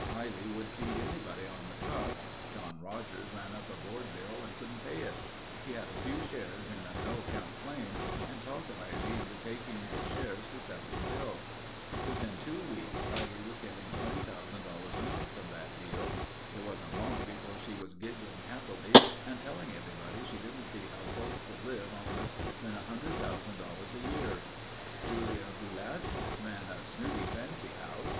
Eilly would feed anybody on the cuff. John Rodgers ran up a board bill and couldn't pay it. He had a few shares in a no count claim and talked Eilly into taking the shares to settle the bill. "Within two weeks Eilly was getting $20,000 a month from that deal. It wasn't long before she was giggling happily and telling everybody she didn't see how folks could live on less than $100,000 a year." "Julia Bulette? Ran a snooty fancy house.